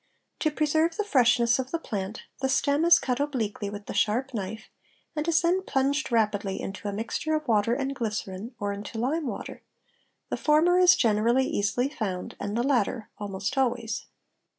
To preserve the freshness of the plant the stem is cut obliquely with a sharp knife, and is then plunged rapidly into a mixture of water and glycerine or into lime water; the former is generally easily found, the latter almost always.